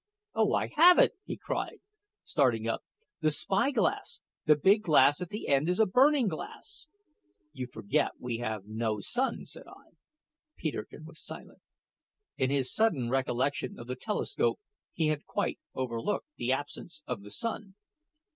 Oh, I have it!" he cried, starting up: "the spy glass the big glass at the end is a burning glass!" "You forget that we have no sun," said I. Peterkin was silent. In his sudden recollection of the telescope he had quite overlooked the absence of the sun.